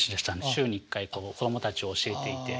週に１回子供たちを教えていて。